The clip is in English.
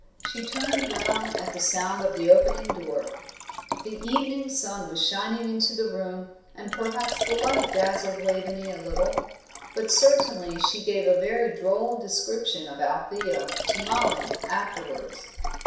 She turned round at the sound of the opening door. The evening sun was shining into the room, and perhaps the light dazzled Waveney a little; but certainly she gave a very droll description of Althea to Mollie afterwards.